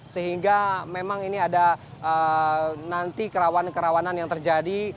sehingga memang ini ada nanti kerawanan kerawanan yang terjadi